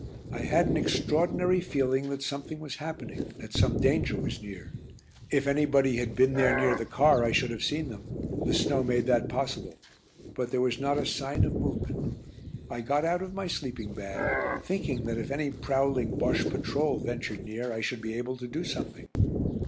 I had an extraordinary feeling that something was happening, that some danger was near. If anybody had been there near the car I should have seen them; the snow made that possible. But there was not a sign of movement. I got out of my sleeping bag, thinking that if any prowling Bosche patrol ventured near I should be able to do something.